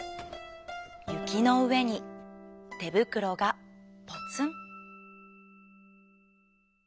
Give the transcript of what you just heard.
ゆきのうえにてぶくろがぽつん。